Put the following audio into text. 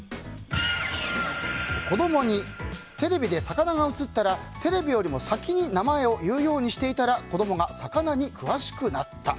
子供にテレビで魚が映ったらテレビよりも先に名前を言うようにしたら子供が魚に詳しくなった。